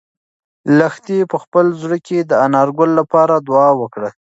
لښتې په خپل زړه کې د انارګل لپاره دعا وکړه.